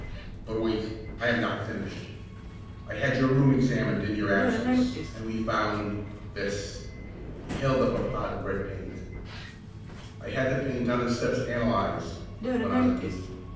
But wait, I am not finished. I had your room examined in your absence, and we found this." He held up a pot of red paint. "I had the paint on the steps analyzed," went on the Dean.